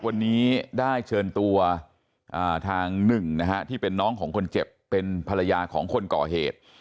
วันนี้ได้เชิญตัวทางหนึ่งนะฮะที่เป็นน้องของคนเจ็บเป็นภรรยาของคนก่อเหตุ